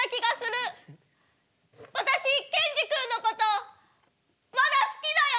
私ケンジ君のことまだ好きだよ！